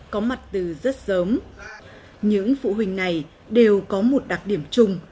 có mặt từ rất sớm những phụ huynh này đều có một đặc điểm chung